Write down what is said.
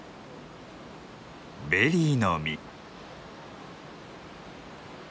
ベリーの実。